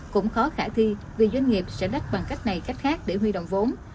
cũng khó khả thi vì doanh nghiệp sẽ đắt bằng cách này cách khác để huy động vốn